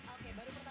oke baru pertama kali